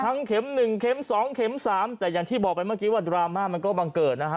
เข็มหนึ่งเข็มสองเข็มสามแต่อย่างที่บอกไปเมื่อกี้ว่าดราม่ามันก็บังเกิดนะฮะ